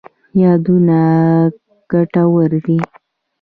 یادونه ګټور دي.